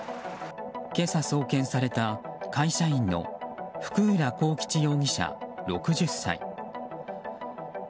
今朝送検された会社員の福浦幸吉容疑者、６０歳。